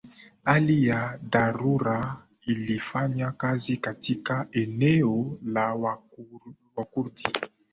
hali ya dharura ilifanya kazi katika eneo la Wakurdi